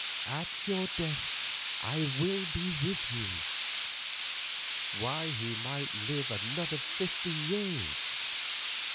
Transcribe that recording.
"At your death I will be with you." Why he might live another fifty years!